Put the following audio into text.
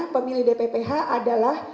pemilih dpph adalah